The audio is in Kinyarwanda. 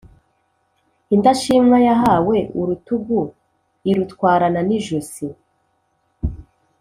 Indashimwa yahawe urutugu irutwarana n’ijosi.